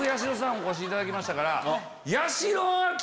お越しいただきましたから。